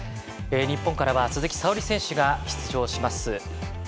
日本からは鈴木沙織選手が出場します。